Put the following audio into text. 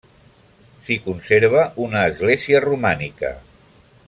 S'hi conserva una església romànica.